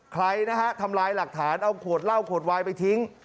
ใครนะฮะทำลายหลักฐานเอาขวดเหล้าขวดวายไปทิ้ง